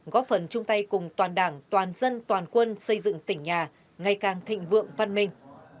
góp phần chung tay cùng toàn đảng toàn dân toàn quân xây dựng tỉnh nhà ngày càng thịnh vượng văn minh